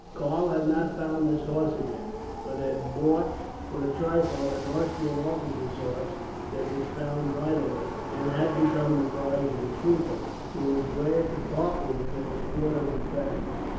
Karl had not found his horse again, but had bought, for a trifle, an Austrian officer's horse that was found riderless; and had become the prize of a trooper, who was glad to part with it at a quarter of its value.